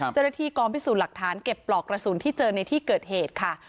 เจ้าหน้าที่กองพิสูจน์หลักฐานเก็บปลอกกระสุนที่เจอในที่เกิดเหตุค่ะ